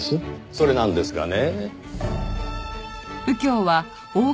それなんですがね。